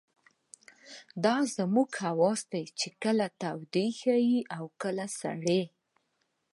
دا زموږ حواس دي چې کله يې تودې ښيي او کله سړې.